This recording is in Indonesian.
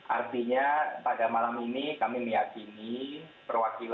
artinya pada malam ini kami meyakini perwakilan